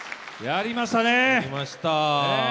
やりましたね！